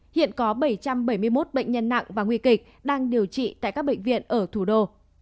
hiện có bảy trăm bảy mươi một bệnh nhân nặng và nguy kịch đang điều trị tại các bệnh viện ở thủ đô